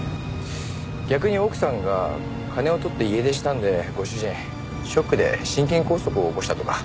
逆に奥さんが金を取って家出したんでご主人ショックで心筋梗塞を起こしたとか？